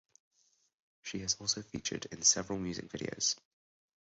She has also featured in several music videos.